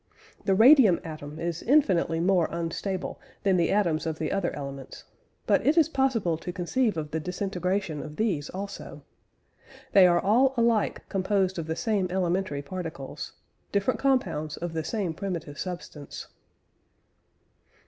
The radium atom is infinitely more unstable than the atoms of the other elements; but it is possible to conceive of the disintegration of these also. They are all alike composed of the same elementary particles different compounds of the same primitive substance.